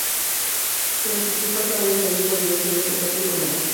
Durante sus cuatro años allí, volvió a encender su pasión por la música.